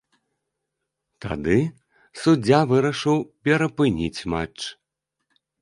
Тады суддзя вырашыў перапыніць матч.